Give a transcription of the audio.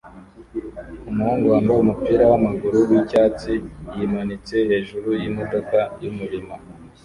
Umuhungu wambaye umupira wamaguru wicyatsi yimanitse hejuru yimodoka yumurima